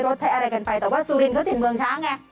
ใช้อะไรกันไปแต่ว่าสุรินเขาติดเมืองช้างไง